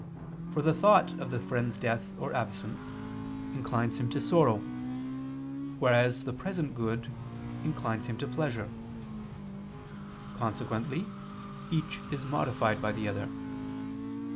For the thought of the friend's death or absence, inclines him to sorrow: whereas the present good inclines him to pleasure. Consequently each is modified by the other.